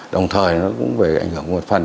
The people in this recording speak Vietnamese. đồng thời nó cũng về ảnh hưởng một phần